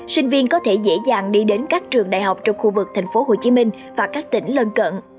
sinh viên có thể dễ dàng đi đến các trường đại học trong khu vực thành phố hồ chí minh và các tỉnh lân cận